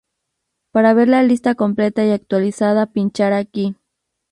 Para ver la lista completa y actualizada pinchar aquí